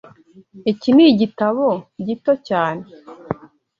Iki ni igitabo gito cyane.